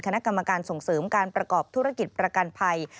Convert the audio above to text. คณะกรรมการส่งเสริมการประกอบธุรกิจประกันภัย